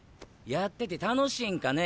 やってて楽しいんかね？